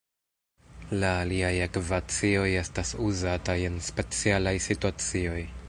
La aliaj ekvacioj estas uzataj en specialaj situacioj.